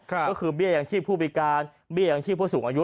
ก็คือเบี้ยงชีพผู้วิการเบี้ยงชีพผู้สูงอายุ